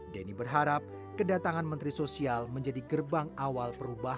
denny berharap kedatangan menteri sosial menjadi gerbang awal perubahan